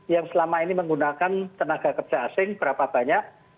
yang selama ini menggunakan tenaga kerja asing berapa banyak